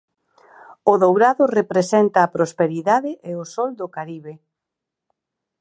O dourado representa a prosperidade e o sol do Caribe.